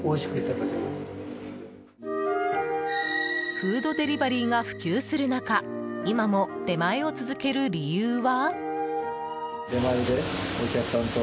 フードデリバリーが普及する中今も出前を続ける理由は？